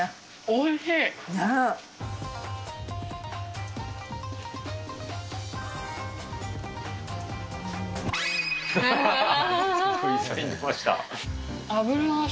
おいしい。